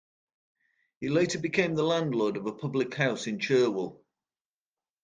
He later became the landlord of a public house in Churwell.